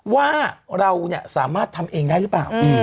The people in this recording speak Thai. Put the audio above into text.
ว่าเราสามารถทำเองได้หรือเปล่า